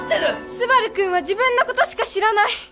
スバル君は自分のことしか知らない！